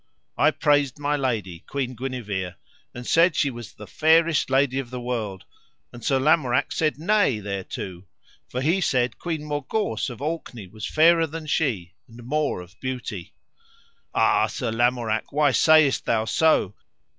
I praised my lady, Queen Guenever, and said she was the fairest lady of the world, and Sir Lamorak said nay thereto, for he said Queen Morgawse of Orkney was fairer than she and more of beauty. Ah, Sir Lamorak, why sayest thou so?